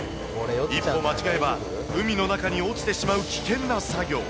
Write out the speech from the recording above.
一歩間違えば、海の中に落ちてしまう危険な作業。